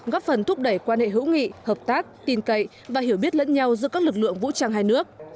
góp phần thúc đẩy quan hệ hữu nghị hợp tác tin cậy và hiểu biết lẫn nhau giữa các lực lượng vũ trang hai nước